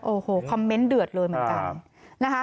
โอ้โหคอมเมนต์เดือดเลยเหมือนกันนะคะ